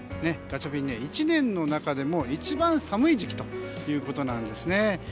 ガチャピン、１年の中で一番寒い時期ということなんです。